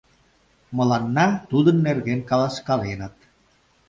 — Мыланна тудын нерген каласкаленыт.